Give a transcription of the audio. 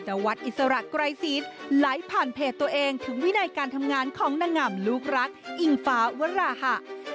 วัดอิสระไกรศีลไลฟ์ผ่านเพจตัวเองถึงวินัยการทำงานของนางงามลูกรักอิงฟ้าวราหะ